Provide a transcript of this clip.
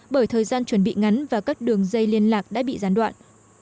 bởi thời gian chuẩn bị ngắn và các đường dây liên lạc đã bị gián đoạn